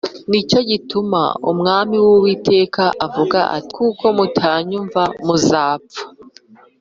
Ni cyo gituma Umwami Uwiteka avuga ati Kuko mutanyumva muzapfa